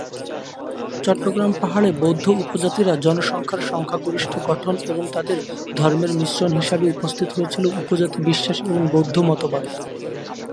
চট্টগ্রাম পাহাড়ে বৌদ্ধ উপজাতিরা জনসংখ্যার সংখ্যাগরিষ্ঠ গঠন, এবং তাদের ধর্মের মিশ্রণ হিসাবে উপস্থিত হয়েছিল উপজাতি বিশ্বাস এবং বৌদ্ধ মতবাদ।